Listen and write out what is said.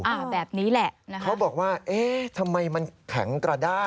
อ่าแบบนี้แหละนะคะเขาบอกว่าเอ๊ะทำไมมันแข็งกระด้า